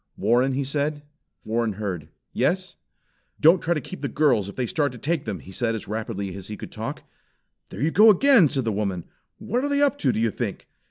"Warren?" he said. Warren heard. "Yes!" "Don't try to keep the girls if they start to take them," he said as rapidly as he could talk. "There they go again!" said the woman "What are they up to, do you think?"